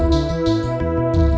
masih di pasar